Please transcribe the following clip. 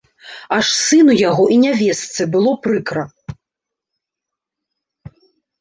Аж сыну яго і нявестцы было прыкра.